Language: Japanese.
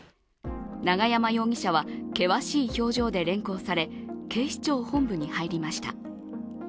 永山容疑者は険しい表情で連行され警視庁本部に入りました。